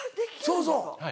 そうそう。